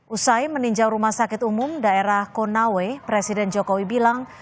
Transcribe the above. usai meninjau rumah sakit umum daerah konawe presiden jokowi bilang